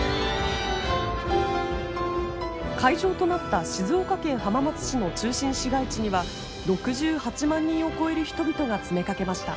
会場となった静岡県浜松市の中心市街地には６８万人を超える人々が詰めかけました。